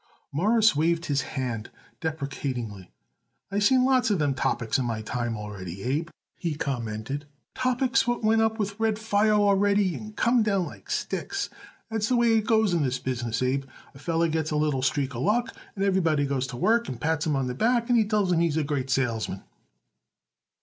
Morris waved his hand deprecatingly. "I seen lots of them topics in my time already, Abe," he commented. "Topics what went up with red fire already and come down like sticks. That's the way it goes in this business, Abe. A feller gets a little streak of luck, and everybody goes to work and pats him on the back and tells him he's a great salesman."